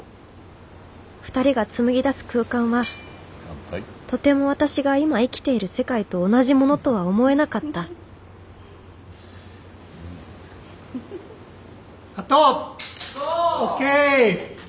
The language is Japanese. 二人が紡ぎ出す空間はとても私が今生きている世界と同じものとは思えなかったカット！ＯＫ！